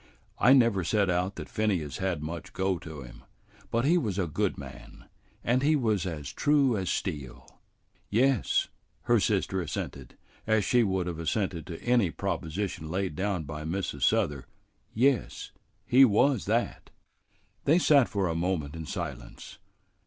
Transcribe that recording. "I never set out that Phineas had much go to him, but he was a good man, and he was as true as steel." "Yes," her sister assented, as she would have assented to any proposition laid down by Mrs. Souther, "yes, he was that." They sat for a moment in silence.